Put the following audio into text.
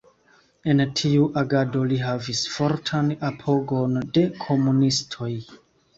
En tiu agado li havis fortan apogon de komunistoj.